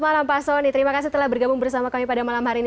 malam pak soni terima kasih telah bergabung bersama kami pada malam hari ini